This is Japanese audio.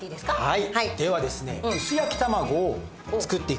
はい。